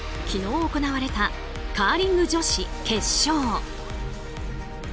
昨日行われたカーリング女子決勝。